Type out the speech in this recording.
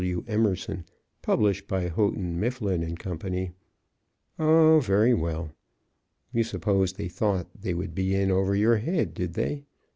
W. Emerson, published by Houghton, Mifflin & Co. Oh, very well! You suppose they thought that would be over your head, did they?